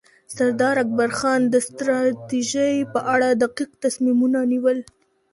سردار اکبرخان د ستراتیژۍ په اړه دقیق تصمیمونه نیول.